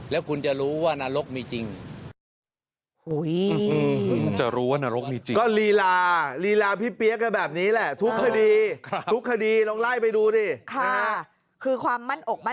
แล้วคุณจะรู้ว่านรกมีจริง